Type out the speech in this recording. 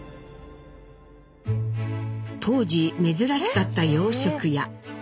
当時珍しかった洋食屋。